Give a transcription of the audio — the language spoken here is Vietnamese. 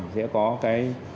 sẽ có cái